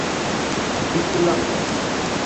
Biti lam.